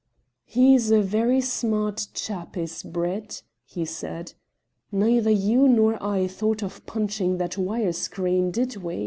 "He's a very smart chap is Brett," he said. "Neither you nor I thought of punching that wire screen, did we?"